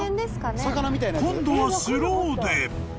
［今度はスローで］